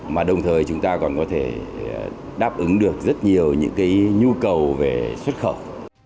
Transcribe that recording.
mà đồng thời chúng ta còn có thể đáp ứng được rất nhiều những cái nhu cầu về xuất khẩu